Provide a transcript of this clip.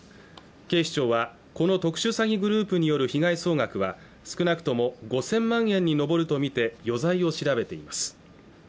警視庁はこの特殊詐欺グループによる被害総額は少なくとも５０００万円に上るとみて余罪を調べています